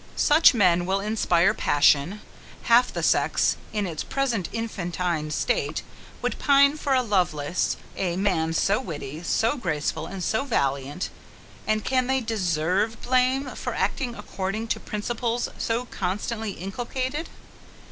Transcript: Such men will inspire passion. Half the sex, in its present infantine state, would pine for a Lovelace; a man so witty, so graceful, and so valiant; and can they DESERVE blame for acting according to principles so constantly inculcated?